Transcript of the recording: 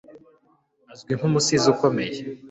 Azwi nkumusizi ukomeye